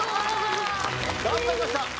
頑張りました！